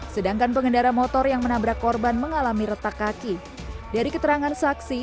sedangkan pengendara motor yang menabrak korban mengalami retak kaki dari keterangan saksi